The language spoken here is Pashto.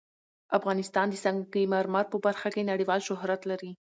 افغانستان د سنگ مرمر په برخه کې نړیوال شهرت لري.